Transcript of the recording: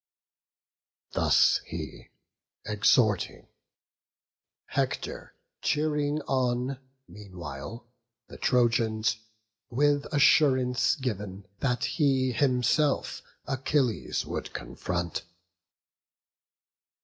Thus he, exhorting; Hector cheering on Meanwhile the Trojans, with assurance giv'n That he himself Achilles would confront.